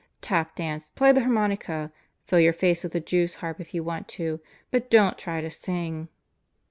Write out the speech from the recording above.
"Tap dance, play the harmonica, fill your face with the Jew's harp if you want to; but don't try to sing."